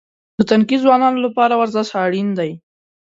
د تنکي ځوانانو لپاره ورزش اړین دی.